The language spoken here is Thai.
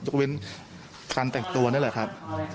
เว้นการแต่งตัวนี่แหละครับ